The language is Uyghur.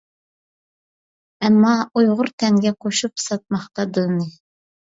ئەمما ئۇيغۇر تەنگە قوشۇپ ساتماقتا دىلنى.